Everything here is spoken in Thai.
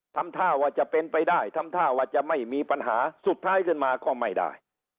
ทำท่าว่าจะเป็นไปได้ทำท่าว่าจะไม่มีปัญหาสุดท้ายขึ้นมาก็ไม่ได้